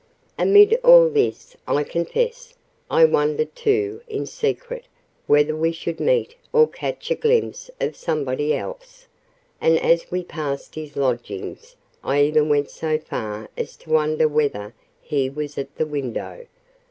Amid all this, I confess, I wondered, too, in secret, whether we should meet, or catch a glimpse of somebody else; and as we passed his lodgings, I even went so far as to wonder whether he was at the window.